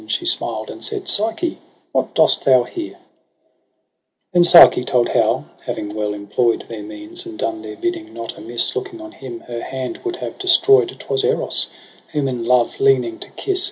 She smiled, and said 'Psyche, what dost thou here?' ■3,% , Then^Psyche told how, having well employ'd Their means, and done their bidding not amiss. Looking on him her hand would have destroy'd, 'Twas Eros ; whom in love leaning to kiss.